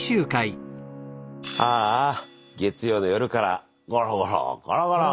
ああ月曜の夜からゴロゴロゴロゴロ。